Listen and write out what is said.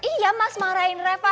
iya mas marahin reva